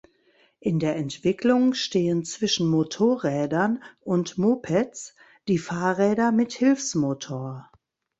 In der Entwicklung stehen zwischen Motorrädern und Mopeds die Fahrräder mit Hilfsmotor.